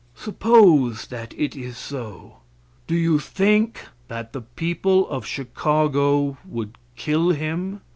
Suppose that it is so. Do you think that the people of Chicago would kill him?